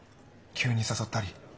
急に誘ったり。